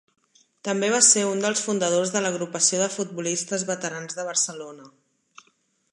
També va ser un dels fundadors de l'Agrupació de Futbolistes Veterans de Barcelona.